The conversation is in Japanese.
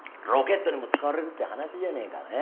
ロケットにも使われるって話じゃねえか。